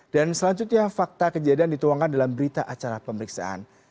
dan selanjutnya fakta kejadian dituangkan dalam berita acara pemeriksaan